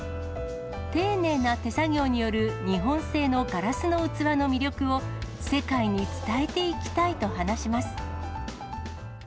丁寧な手作業による日本製のガラスの器の魅力を、世界に伝えていきたいと話します。